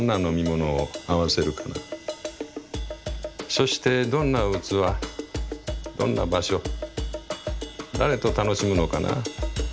「そしてどんな器どんな場所誰と楽しむのかな？」。